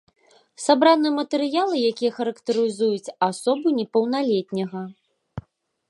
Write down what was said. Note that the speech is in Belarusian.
Сабраныя матэрыялы, якія характарызуюць асобу непаўналетняга.